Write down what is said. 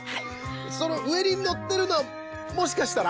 そのうえにのってるのはもしかしたら？